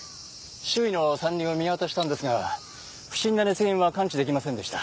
周囲の山林を見渡したんですが不審な熱源は感知出来ませんでした。